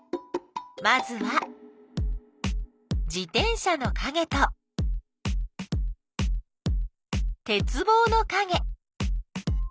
まずは自転車のかげとてつぼうのかげ。